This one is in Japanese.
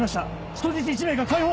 人質１名が解放！